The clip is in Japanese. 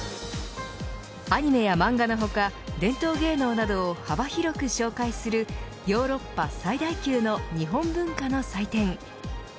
アニメや漫画の他伝統芸能など幅広く紹介するヨーロッパ最大級の日本文化の祭典。